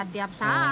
iya tiap saat